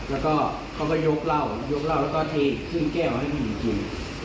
แล้วก็เขาก็ยกเหล้ายกเหล้าแล้วก็เทขึ้นแก้วให้ผู้หญิงกิน